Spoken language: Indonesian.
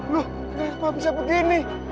lihat pak bisa begini